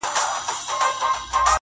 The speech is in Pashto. اوس مي د زړه قلم ليكل نه كوي ـ